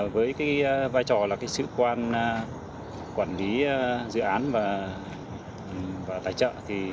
với vai trò là sĩ quan quản lý dự án và tài trợ